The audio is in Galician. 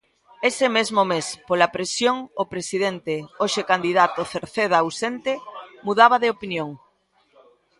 Ese mesmo mes, pola presión, o presidente, hoxe candidato Cerceda ausente, mudaba de opinión.